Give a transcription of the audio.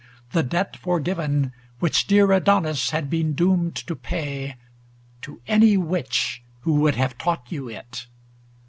the debt for given Which dear Adonis had been doomed to pay, To any witch who would have taught you it?